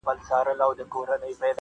انسانان لا هم زده کوي تل,